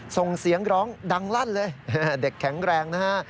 ส่งเสียงร้องดังลั่นเลยเด็กแข็งแรงนะฮะ